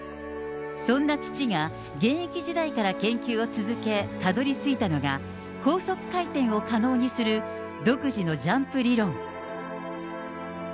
そんな父が現役時代から研究を続け、たどりついたのが、高速回転を可能にする独自のジャンプ理論。